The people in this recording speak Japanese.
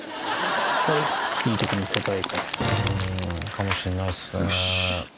かもしんないですね。